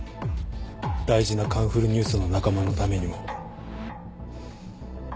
大事な『カンフルＮＥＷＳ』の仲間のためにも。